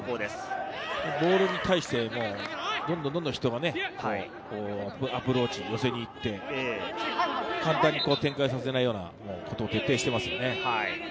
ボールに対してどんどん人がアプローチ、寄せに行って簡単に展開させないようなことを徹底していますよね。